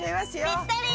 ぴったり！